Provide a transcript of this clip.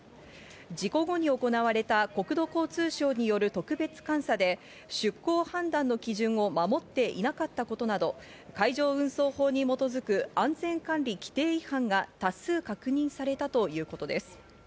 事故後に行われた国土交通省による特別監査で、出航判断の基準を守っていなかったことなど、海上運送法に基づく安全管理規程違反が多数確認されたということです。